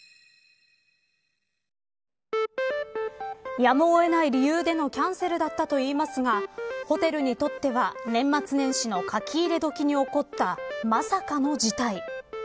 やむを得ない理由でのキャンセルだったといいますがホテルにとっては年末年始の書き入れ時に起こったまさかの事態。